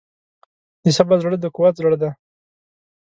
د صبر زړه د قوت زړه دی.